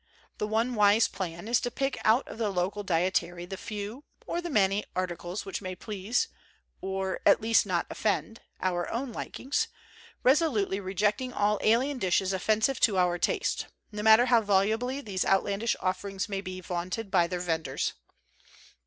The one wise plan is to pick out of the local dietary the few (or the many) articles which may please (or at least not offend) our own likings, resolutely rejecting all alien dishes offensive to our taste, no matter how volubly these outlandish offerings may be vaunted by their vendors.